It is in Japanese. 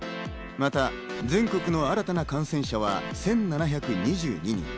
また、全国の新たな感染者は１７２２人。